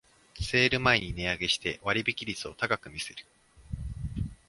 セール前に値上げして割引率を高く見せる